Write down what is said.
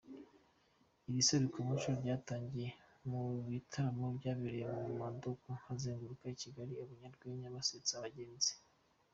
Iri serukiramuco ryatangiriye mu bitaramo byabereye mu modoka zazengurukaga Kigali abanyarwenya basetsa abagenzi.